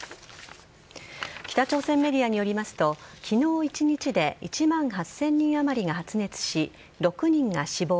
北朝鮮メディアによりますと昨日一日で１万８０００人余りが発熱し６人が死亡。